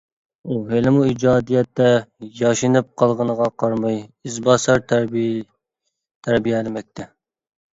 ئۇ ھېلىمۇ ئىجادىيەتتە، ياشىنىپ قالغىنىغا قارىماي ئىزباسار تەربىيەلىمەكتە.